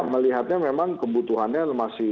melihatnya memang kebutuhannya masih